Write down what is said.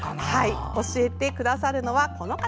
教えてくださるのは、この方。